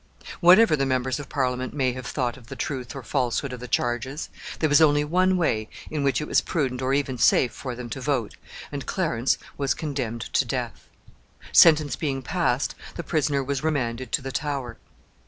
] Whatever the members of Parliament may have thought of the truth or falsehood of the charges, there was only one way in which it was prudent or even safe for them to vote, and Clarence was condemned to death. Sentence being passed, the prisoner was remanded to the Tower.